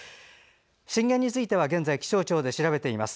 震源については現在気象庁で調べています。